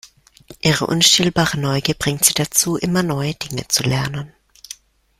Ihre unstillbare Neugier bringt sie dazu, immer neue Dinge zu lernen.